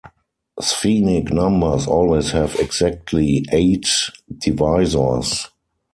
Sphenic numbers always have exactly eight divisors.